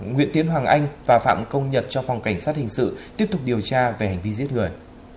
nguyễn tiến hoàng anh và phạm công nhật cho phòng cảnh sát hình sự tiếp tục điều tra về hành vi giết người